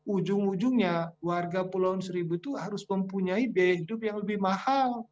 ujung ujungnya warga pulau seribu itu harus mempunyai biaya hidup yang lebih mahal